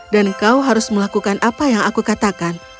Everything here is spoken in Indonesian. dan kau harus melakukan apa yang aku katakan